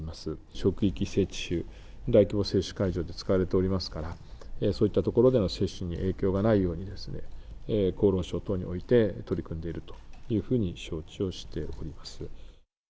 職域接種、大規模接種会場で使われておりますから、そういった所での接種に影響がないように、厚労省等において、取り組んでいるというふうに承知をしております。